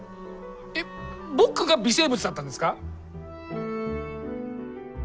えっ僕が微生物だったんですか？